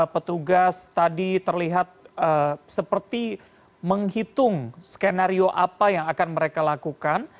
petugas tadi terlihat seperti menghitung skenario apa yang akan mereka lakukan